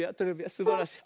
すばらしい。